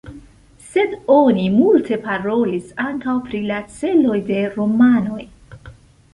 Sed oni multe parolis ankaŭ pri la celoj de romanoj.